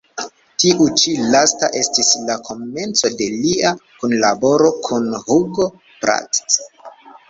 Tiu ĉi lasta estis la komenco de lia kunlaboro kun Hugo Pratt.